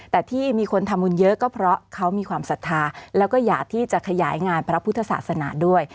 แต่ที่มีคนทำบุญเยอะก็เพราะเขามีความศรัทธาแล้วก็อยากที่จะขยายงานพระพุทธศาสนาด้วย